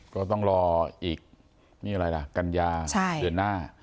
ก็ต้องรออีกนี่อะไรล่ะกัญญาเดือนหน้า